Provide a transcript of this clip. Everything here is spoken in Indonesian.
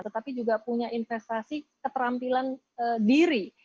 tetapi juga punya investasi keterampilan diri